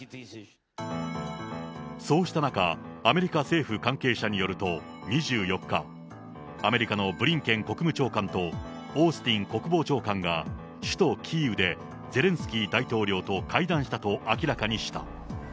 そうした中、アメリカ政府関係者によると２４日、アメリカのブリンケン国務長官と、オースティン国防長官が首都キーウでゼレンスキー大統領と会談したと明らかにした。